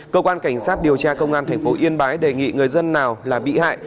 cơ quan cảnh sát điều tra công an tp yên bái đề nghị người dân nào là bị hại